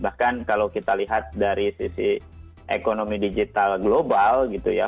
bahkan kalau kita lihat dari sisi ekonomi digital global gitu ya